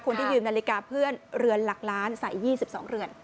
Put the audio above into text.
ที่ยืมนาฬิกาเพื่อนเรือนหลักล้านใส่๒๒เรือน